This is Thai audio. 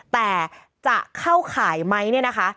แต่จะเข้าข่ายไหมเนี่ยนะคะ